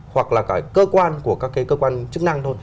hoặc là cả cơ quan của các cái cơ quan chức năng thôi